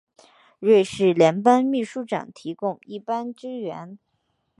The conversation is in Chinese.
瑞士联邦秘书长提供一般支援。